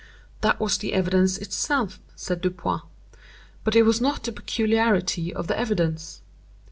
"That was the evidence itself," said Dupin, "but it was not the peculiarity of the evidence.